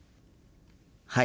はい。